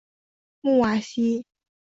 穆瓦西。